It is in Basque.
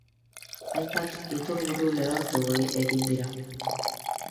Hainbat iturburu lehortu egin dira.